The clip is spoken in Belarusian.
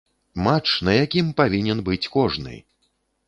Матч, на якім павінен быць кожны!